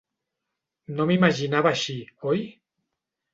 No m'imaginava així, oi?